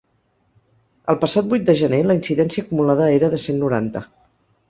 El passat vuit de gener la incidència acumulada era de cent noranta.